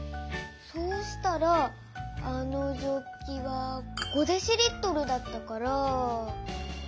そうしたらあのジョッキは５ｄＬだったから。